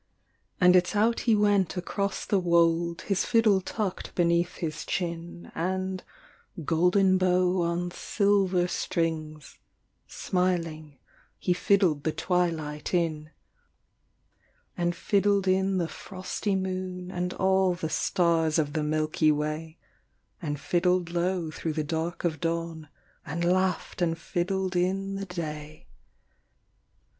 And it s out he went across the wold, His fiddle tucked beneath his chin, And (golden bow on silver strings) Smiling he fiddled the twilight in; And fiddled in the frosty moon, And all the stars of the Milky Way, 104 And fiddled low through the dark of dawn, And laughed and fiddled in the day.